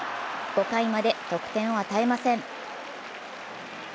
５回まで得点を与えません。